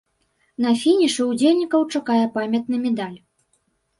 На фінішы ўдзельнікаў чакае памятны медаль.